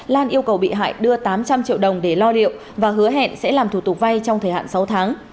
lan yêu cầu bị hại đưa tám trăm linh triệu đồng để lo rượu và hứa hẹn sẽ làm thủ tục vay trong thời hạn sáu tháng